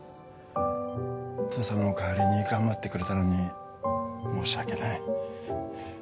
父さんの代わりに頑張ってくれたのに申し訳ない